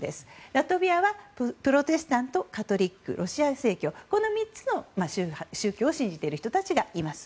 ラトビアはプロテスタントカトリック、ロシア正教この３つの宗教を信じている人たちがいます。